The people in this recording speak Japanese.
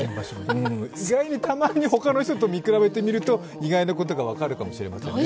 意外に、たまに、ほかの人と見比べてみると、意外なことが分かるかもしれませんね。